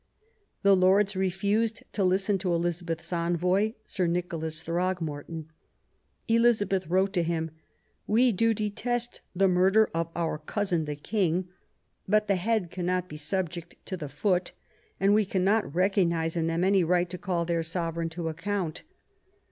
The Lords refused to listen to Elizabeth's envoy, Sir Nicholas Throgmorton. Elizabeth wrote to him :" We do detest the murder of our cousin the King; but the head cannot be subject to the foot, and we cannot recognise in them any right to call their Sovereign to account.